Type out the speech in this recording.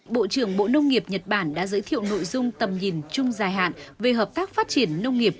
bộ trưởng bộ nông nghiệp nhật bản đã giới thiệu nội dung tầm nhìn chung dài hạn về hợp tác phát triển nông nghiệp